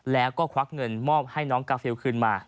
แล้วก็ควักเงินมอบให้น้องกาฟิลคืนมา